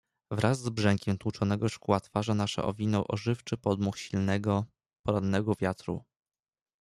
"Wraz z brzękiem tłuczonego szkła twarze nasze owionął ożywczy podmuch silnego, porannego wiatru."